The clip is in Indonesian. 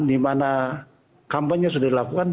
di mana kampanye sudah dilakukan